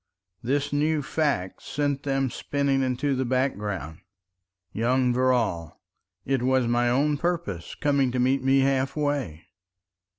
This new fact sent them spinning into the background. Young Verrall! It was my own purpose coming to meet me half way.